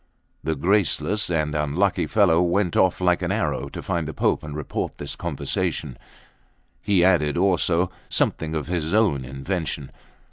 The graceless and unlucky fellow went off like an arrow to find the Pope and report this conversation; he added also something of his own invention.